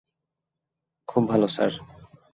খুব ভালো, স্যার।